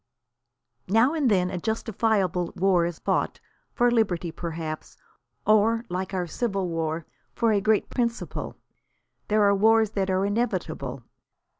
Now and then a justifiable war is fought, for liberty perhaps, or like our Civil War, for a great principle. There are wars that are inevitable.